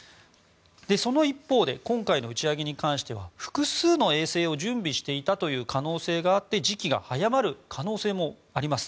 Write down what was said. その一方で今回の打ち上げに関しては複数の衛星を準備していたという可能性があって時期が早まる可能性もあります。